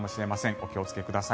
お気をつけください。